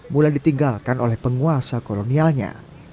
mulai ditinggalkan oleh penguasa kolonialnya